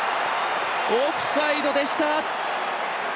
オフサイドでした！